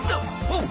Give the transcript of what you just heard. あっ！